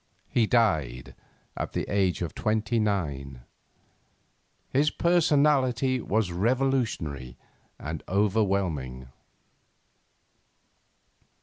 He died at the age of twenty nine. His personality was revolutionary and overwhelming.